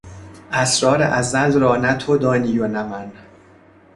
اسرار ازل را نه تو دانی و نه من